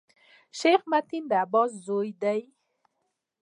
شېخ متي د عباس زوی دﺉ.